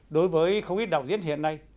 đối với không ít đạo diễn hiện nay